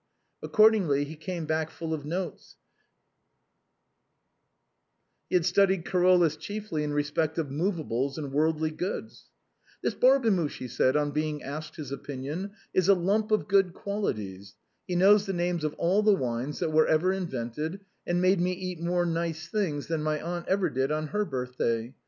Accordingly he came back 148 THE BOHEMIANS OF THE LATIN QUARTER. full of notes; he had studied Carolus chiefly in respect of his movables and worldly goods. " This Barbemuche," he said, on being asked his opinion, " is a lump of good qualities. He knows the names of all the wines that ever were invented, and made me eat more nice things than my aunt ever did on her birthday.